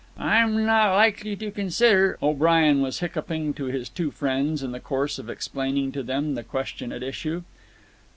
"I'm not likely to consider," O'Brien was hiccoughing to his two friends in the course of explaining to them the question at issue.